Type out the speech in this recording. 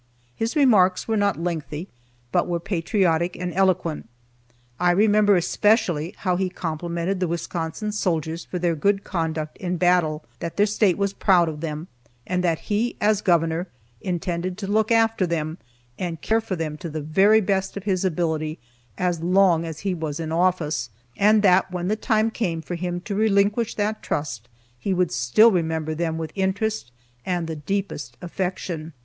His remarks were not lengthy, but were patriotic and eloquent. I remember especially how he complimented the Wisconsin soldiers for their good conduct in battle, that their state was proud of them, and that he, as Governor, intended to look after them, and care for them to the very best of his ability, as long as he was in office, and that when the time came for him to relinquish that trust, he would still remember them with interest and the deepest affection.